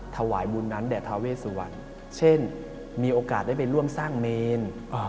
ถวายบุญนั้นแด่ทาเวสวรรค์เช่นมีโอกาสได้ไปร่วมสร้างเมน